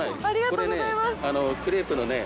これねクレープのね。